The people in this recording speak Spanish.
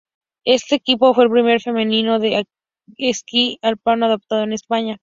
Este equipo fue el primero femenino de esquí alpino adaptado en España.